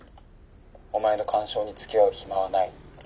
お前の感傷につきあう暇はない。